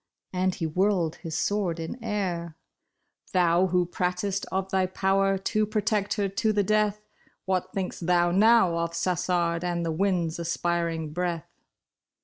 " and he whirled his sword in air, " Thou who pratest of thy power to protect her to the death, What think' St thou now of Sassard and the wind's aspiring breath